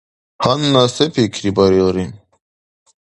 Гьанна се пикрибарилри?